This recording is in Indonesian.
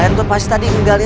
udah tadi ya